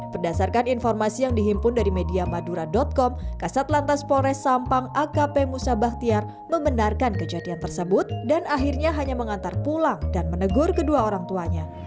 berdasarkan informasi yang dihimpun dari media madura com kasat lantas polres sampang akp musa bahtiar membenarkan kejadian tersebut dan akhirnya hanya mengantar pulang dan menegur kedua orang tuanya